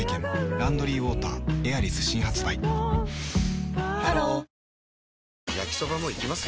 「ランドリーウォーターエアリス」新発売ハロー焼きソバもいきます？